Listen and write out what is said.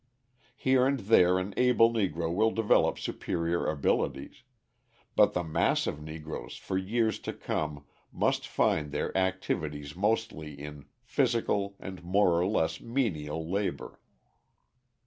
Here and there an able Negro will develop superior abilities; but the mass of Negroes for years to come must find their activities mostly in physical and more or less menial labour.